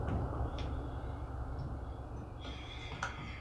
Evocando a la fachada del Palacio de la Prensa de Pedro Muguruza.